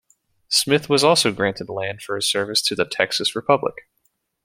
Smith was also granted land for his service to the Texas Republic.